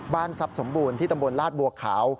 บ้านทรัพย์สมบูรณ์ที่ตำบลราชบวกขาว